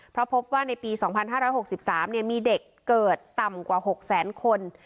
เพราะพบว่าในปีสองพันห้าร้อยหกสิบสามเนี่ยมีเด็กเกิดต่ำกว่าหกแสนคน